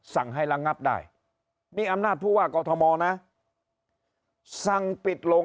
สั่งให้ล้างงัดได้มีอำนาจผู้ว่าก่อธมอลนะสั่งปิดโรง